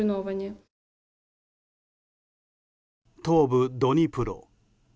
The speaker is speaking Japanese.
東部ドニプロ。